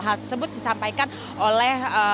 hal tersebut disampaikan oleh